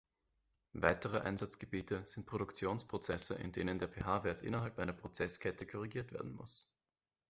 Weitere Einsatzgebiete sind Produktionsprozesse, in denen der pH-Wert innerhalb einer Prozesskette korrigiert werden muss.